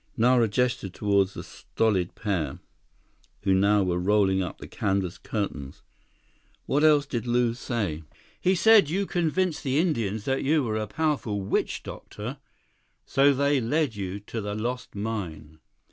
Nara gestured toward the stolid pair who now were rolling up the canvas curtains. "What else did Lew say?" "He said you convinced the Indians that you were a powerful witch doctor, so they led you to the lost mine."